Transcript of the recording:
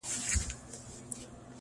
ستا د راتلو نه مخکې راغلـــــه سيلۍ